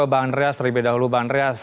baik bang andreas lebih dahulu bang andreas